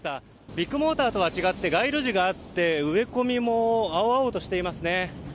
ビッグモーターとは違って街路樹があって植え込みも青々としていますね。